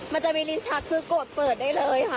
มันจะมีลิ้นชักคือโกรธเปิดได้เลยค่ะ